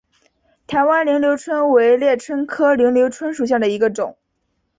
台湾菱瘤蝽为猎蝽科菱瘤蝽属下的一个种。